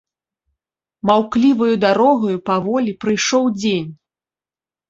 Маўкліваю дарогаю паволі прыйшоў дзень.